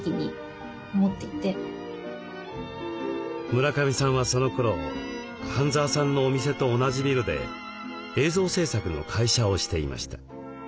村上さんはそのころ半澤さんのお店と同じビルで映像制作の会社をしていました。